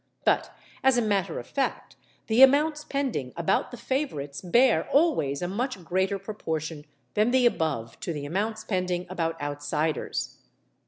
But as a matter of fact the amounts pending about the favourites bear always a much greater proportion than the above to the amounts pending about outsiders.